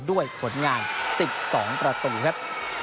ด้วยผลงาน๑๒ประตูครับ